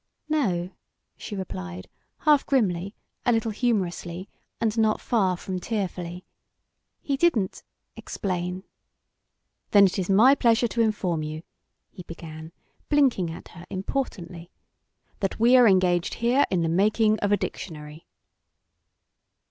"No," she replied, half grimly, a little humourously, and not far from tearfully, "he didn't explain." "Then it is my pleasure to inform you," he began, blinking at her importantly, "that we are engaged here in the making of a dictionary."